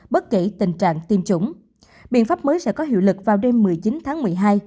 bất kể tình trạng tiêm chủng biện pháp mới sẽ có hiệu lực vào đêm một mươi chín tháng một mươi hai